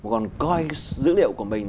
còn coi dữ liệu của mình